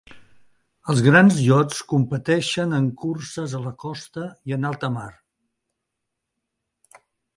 Els grans iots competeixen en curses a la costa i en alta mar.